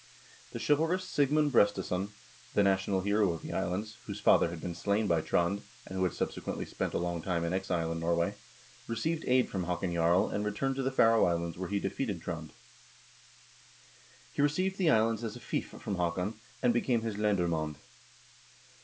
The chivalrous Sigmund Brestesson, the national hero of the islands, whose father had been slain by Trond, and who had subsequently spent a long time in exile in Norway, received aid from Haakon Jarl, and returned to the Faroe Islands, where he defeated Trond. He received the islands as a fief from Haakon, and became his lendermand.